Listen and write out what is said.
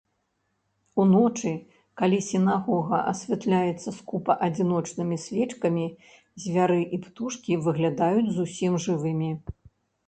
Уночы, калі сінагога асвятляецца скупа адзіночнымі свечкамі, звяры і птушкі выглядаюць зусім жывымі.